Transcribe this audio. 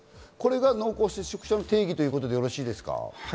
これが濃厚接触者の定義ということでよろしいですか？